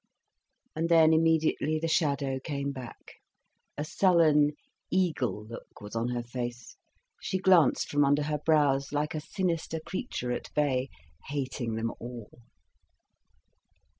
And then immediately the shadow came back, a sullen, eagle look was on her face, she glanced from under her brows like a sinister creature at bay, hating them all.